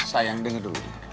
sayang denger dulu